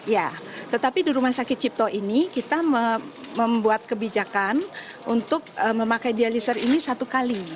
ya tetapi di rumah sakit cipto ini kita membuat kebijakan untuk memakai dialiser ini satu kali